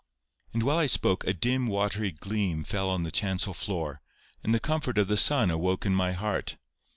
And while I spoke, a dim watery gleam fell on the chancel floor, and the comfort of the sun awoke in my heart.